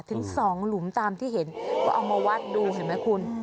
ถึงสองหลุมตามที่เห็นก็เอามาวัดดูเห็นไหมคุณ